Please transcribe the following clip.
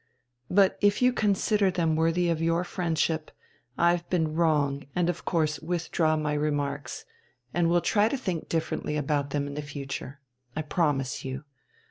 But if you consider them worthy of your friendship, I've been wrong and of course withdraw my remarks, and will try to think differently about them in future. I promise you.